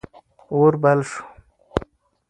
اور بل سو.